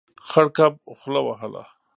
خړ کب خوله وهله.